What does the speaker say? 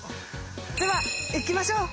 では行きましょう。